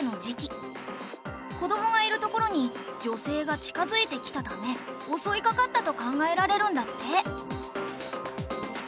子どもがいるところに女性が近づいてきたため襲いかかったと考えられるんだって。